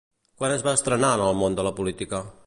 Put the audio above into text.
Quan es va estrenar en el món de la política?